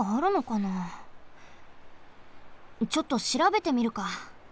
ちょっとしらべてみるか。